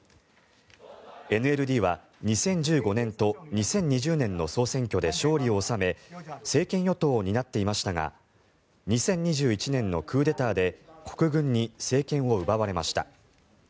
ＮＬＤは２０１５年と２０２０年の総選挙で勝利を収め政権与党を担っていましたが２０２１年のクーデターで国軍に政権を奪われました。